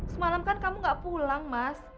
semalam kan kamu gak pulang mas